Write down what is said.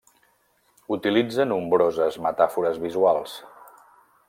Utilitza nombroses metàfores visuals.